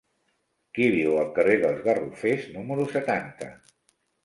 Qui viu al carrer dels Garrofers número setanta?